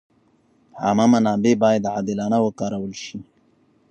عامه منابع باید عادلانه وکارول شي.